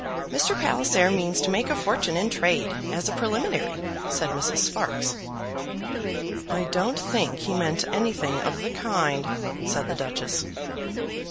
"Mr. Palliser means to make a fortune in trade as a preliminary," said Mrs. Sparkes. "I don't think he meant anything of the kind," said the Duchess.